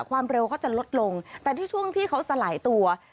ความเร็วเขาจะลดลงแต่ที่ช่วงที่เขาสลายตัว